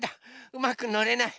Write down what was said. うまくのれない。